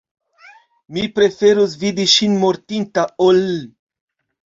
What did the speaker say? Mi preferus vidi ŝin mortinta ol.